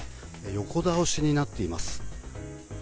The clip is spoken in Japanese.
横倒しになっています。